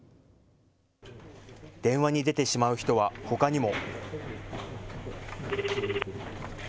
電話に出てしまう人はほかにも。